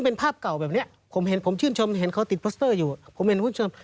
เป็นภาพเก่าแบบเนี้ยผมเห็นผมชื่นชมเห็นเขาติดพัสเตอร์อยู่ผมเห็นคุณผู้ชม